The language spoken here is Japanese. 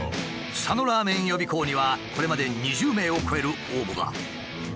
佐野らーめん予備校にはこれまで２０名を超える応募が。